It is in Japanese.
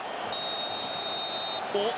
おっ？